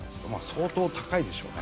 相当高いでしょうね。